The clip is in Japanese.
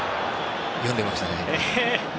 読んでましたね。